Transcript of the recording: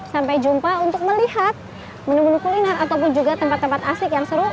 sampai jumpa untuk melihat menu menu kuliner ataupun juga tempat tempat asik yang seru